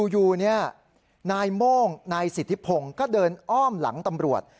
อยู่นายโม่งนายสิทธิพงศ์ก็เดินอ้อมหลังตำรวจ